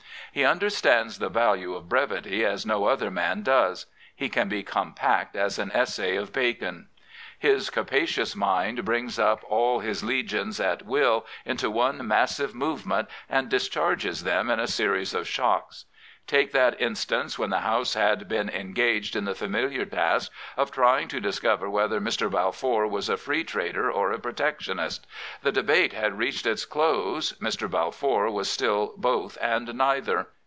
He understands the value of brevity as no other man does. He can be compact as an essay of Bacon. S5 Prophets, Priests, and Kings Sis capacious mind brings up all his legions at will nto one massive movement, and discharges them n a series of shocks. Take that instance when the Souse had been engaged in the familiar task of trying :o discover whether Mr. Balfour was a Free Trader )r a Protectionist. The debate had reached its close. M[r. Balfour was still both and neither.